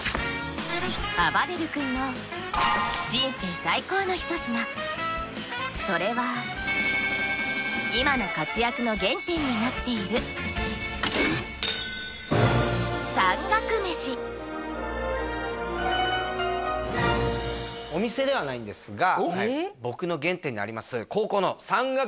あばれる君の人生最高の一品それは今の活躍の原点になっているお店ではないんですが僕の原点があります何？